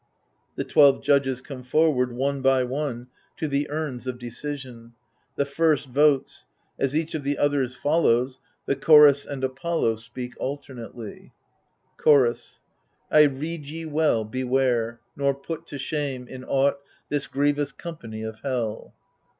[The twelve judges come forward^ one by one^ to the urns of decision; the first votes; €is each of the others follows^ the Chorus and Apollo speak alternately. Chorus I rede ye well, beware ! nor put to shame, In aught, this grievous company of hell.